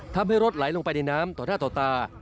ทำให้รถไหลลงไปในน้ำต่อหน้าต่อตา